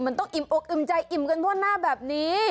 มันต้องอิ่มอกอิ่มใจอิ่มกันทั่วหน้าแบบนี้